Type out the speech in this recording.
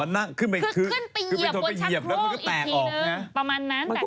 อ๋อนั่งขึ้นไปเครื่องแล้วมันก็แตกออกนะคือขึ้นไปเหยียบบนชั้นโครงอีกทีนึงประมาณนั้นแต่คือ